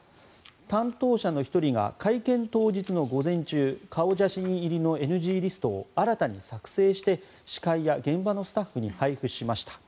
担当者の１人が会見当日の午前中顔写真入りのＮＧリストを新たに作成して司会や現場のスタッフに配布しました。